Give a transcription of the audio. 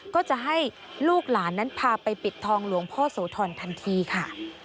ก็จะให้ลูกหลานนั้นพาไปปิดทองหลวงพ่อโสธรทันทีค่ะ